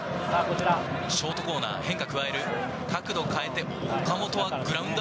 ショートコーナー、変化加える、角度変えて、岡本はグラウンダー。